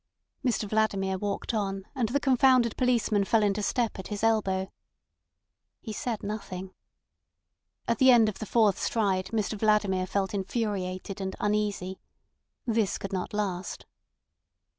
Mr Vladimir walked on, and the "confounded policeman" fell into step at his elbow. He said nothing. At the end of the fourth stride Mr Vladimir felt infuriated and uneasy. This could not last.